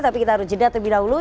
tapi kita harus jeda terlebih dahulu